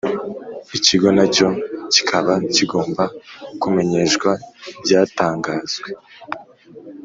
Ikigo na cyo kikaba kigomba kumenyeshwa ibyatangazwe